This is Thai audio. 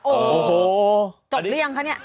โอ้โหจบเรียงคะเนี่ย